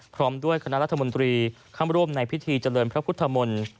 พร้อมด้วยคณะรัฐมนตรีเข้าร่วมในพิธีเจริญพระพุทธมนตร์